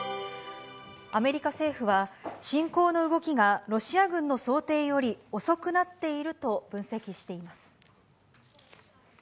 アメリカ政府は、侵攻の動きがロシア軍の想定より遅くなっていると分析しています。